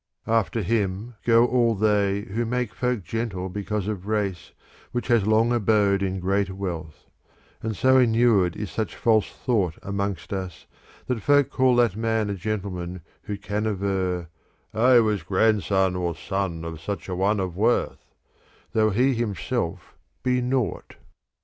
After him go all they Who make folk gentle because of race which has long abode in great wealth : and so inured is such false thought amongst us, that folk call that man a gentleman, who can aver: 'I was grandson or son of such an one of worth,' though he himself be 224 THE FOURTH TREATISE 225 nought.